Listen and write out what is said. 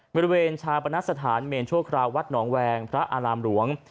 บริเวณชาปนสถานเมนชั่วคราววัดหนองแวงพระอารามหลวง